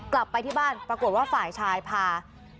กลับไปที่บ้านปรากฏว่าฝ่ายชายพา